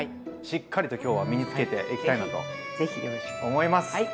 しっかりと今日は身につけていきたいなと思います。